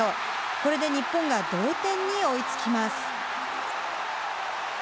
これで日本が同点に追いつきます。